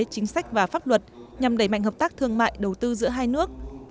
chính sách và pháp luật nhằm đẩy mạnh hợp tác thương mại đầu tư giữa hai nước